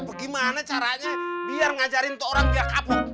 bagaimana caranya biar ngajarin tuh orang biar kapok